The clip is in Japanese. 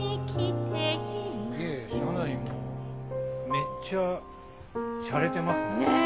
めっちゃしゃれてますね。